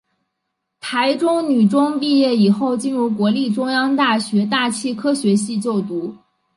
台中女中毕业以后进入国立中央大学大气科学系就读。